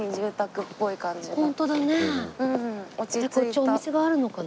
こっちお店があるのかな？